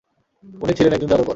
উনি ছিলেন একজন জাদুকর।